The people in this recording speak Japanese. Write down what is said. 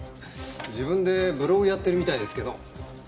自分でブログやってるみたいですけど。